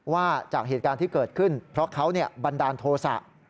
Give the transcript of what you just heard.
ว่าจากเหตุการณ์ที่เกิดขึ้นเพราะเขาบันดาลโทษะ